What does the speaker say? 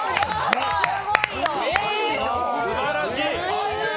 すばらしい。